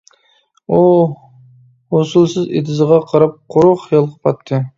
ئۇ ھوسۇلسىز ئېتىزىغا قاراپ قۇرۇق خىيالغا پاتتى.